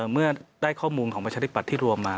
เมื่อได้ข้อมูลของประชาธิบัตย์ที่รวมมา